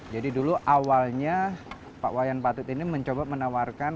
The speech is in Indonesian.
dulu awalnya pak wayan patut ini mencoba menawarkan